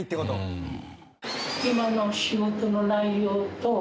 うん。